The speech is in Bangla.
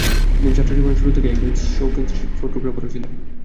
তিনি ছাত্রজীবনের শুরু থেকেই একজন শৌখিন স্ট্রিট ফটোগ্রাফারও ছিলেন।